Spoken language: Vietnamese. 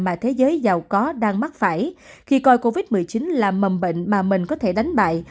mà thế giới giàu có đang mắc phải khi coi covid một mươi chín là mầm bệnh mà mình có thể đánh bại